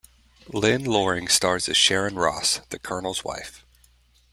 Lynn Loring stars as Sharon Ross, the Colonel's wife.